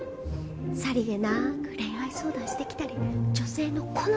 さりげなく恋愛相談してきたり女性の好みを聞いてきたり。